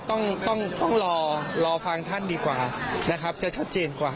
ต้องรอฟังท่านดีกว่านะครับจะชอบเจนกว่า